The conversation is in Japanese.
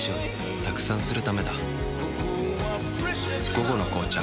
「午後の紅茶」